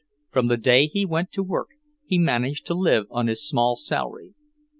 From the day he went to work, he managed to live on his small salary.